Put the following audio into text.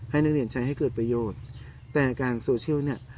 นักเรียนใช้ให้เกิดประโยชน์แต่การโซเชียลเนี่ย